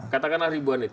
katakanlah ribuan itu